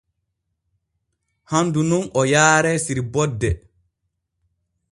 Handu nun o yaare sirborde.